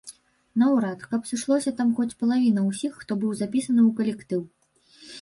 Наўрад, каб сышлося там хоць палавіна ўсіх, хто быў запісаны ў калектыў.